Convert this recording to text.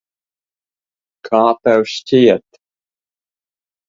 Kā tev šķiet?